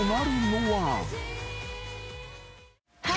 はい。